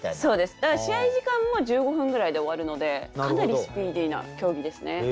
だから試合時間も１５分ぐらいで終わるのでかなりスピーディーな競技ですね。